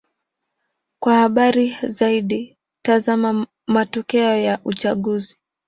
Kwa habari zaidi: tazama matokeo ya uchaguzi.